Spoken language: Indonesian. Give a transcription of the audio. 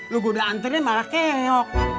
lu udah anterin malah keyok